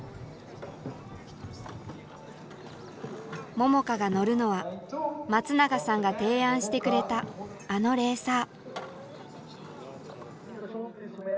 桃佳が乗るのは松永さんが提案してくれたあのレーサー。